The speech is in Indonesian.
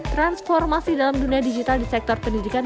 transformasi dalam dunia digital di sektor pendidikan